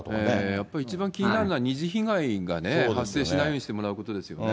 やっぱり一番気になるのは二次被害がね、発生しないようにしてもらうことですよね。